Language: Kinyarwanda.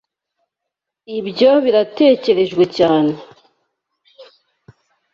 Ibyo biratekerejwe cyane.